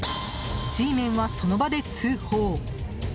Ｇメンは、その場で通報。